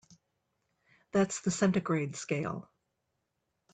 That's the centigrade scale.